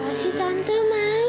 kasih tante maya